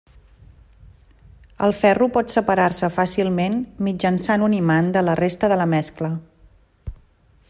El ferro pot separar-se fàcilment mitjançant un imant de la resta de la mescla.